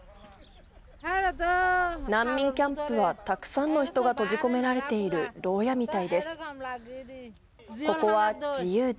難民キャンプは、たくさんの人が閉じ込められている、ろう屋みたいです。